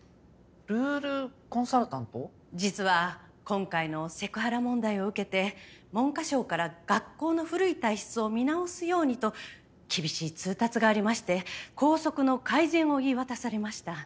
実は今回のセクハラ問題を受けて文科省から学校の古い体質を見直すようにと厳しい通達がありまして校則の改善を言い渡されました。